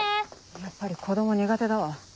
やっぱり子供苦手だわ。